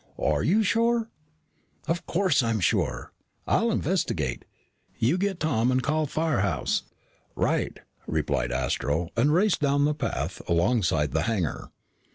"Are you sure?" "Of course I'm sure." "I'll investigate. You get Tom and call Firehouse." "Right," replied Astro, and raced down the path, alongside the hangar.